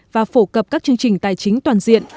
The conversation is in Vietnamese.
và phổ cập các chương trình tài chính toàn diện